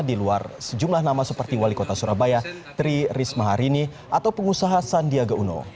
di luar sejumlah nama seperti wali kota surabaya tri risma harini atau pengusaha sandiaga uno